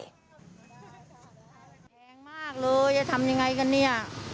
แพงมากเลยจะทำยังไงกันเนี่ย